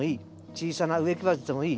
小さな植木鉢でもいい。